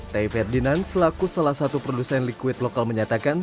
ty ferdinand selaku salah satu produsen liquid lokal menyatakan